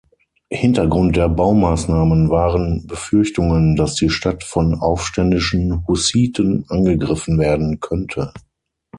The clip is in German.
Hintergrund der Baumaßnahmen waren Befürchtungen, dass die Stadt von aufständischen Hussiten angegriffen werden könnte.